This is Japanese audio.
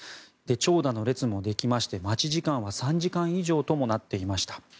長蛇の列もできまして待ち時間は３時間以上ともなっていました。